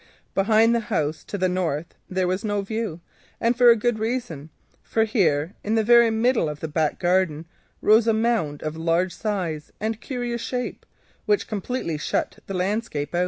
Behind the house to the north there was no view, and for a good reason, for here in the very middle of the back garden rose a mound of large size and curious shape, which completely shut out the landscape.